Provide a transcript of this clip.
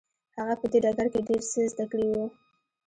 هغه په دې ډګر کې ډېر څه زده کړي وو.